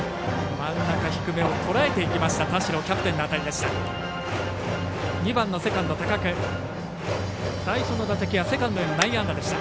真ん中低めをとらえてきたキャプテン、田代の当たりでした。